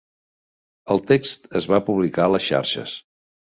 El text es va publicar a les xarxes